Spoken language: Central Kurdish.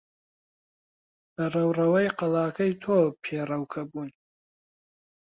بە ڕەوڕەوەی قەڵاکەی تۆ پێڕەوکە بوون.